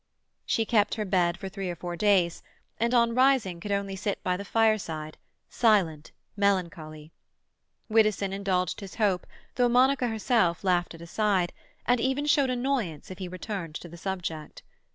She kept her bed for three or four days, and on rising could only sit by the fireside, silent, melancholy. Widdowson indulged his hope, though Monica herself laughed it aside, and even showed annoyance if he return to the subject.